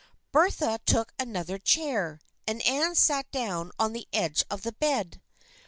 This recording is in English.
Bertha took another chair, and Anne sat down on the edge of the bed.